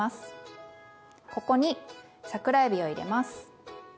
ここに桜えびを入れます。